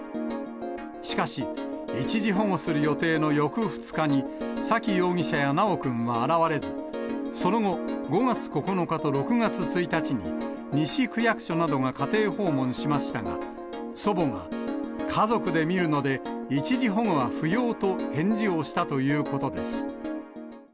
しかし、一時保護する予定の翌２日に、沙喜容疑者や修くんは現れず、その後、５月９日と６月１日に、西区役所などが家庭訪問しましたが、祖母が家族で見るので、一時保護は不要と返事をしたということです。